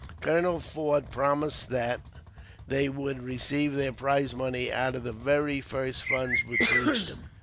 Colonel Forde promised that they would receive their prize money out of the very first funds which reached him.